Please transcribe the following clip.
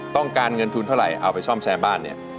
ต้องการเงินทุนเท่าไหร่เอาไปซ่อมแซมบ้านเนี่ย